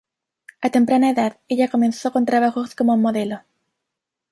A temprana edad ella comenzó con trabajos como modelo.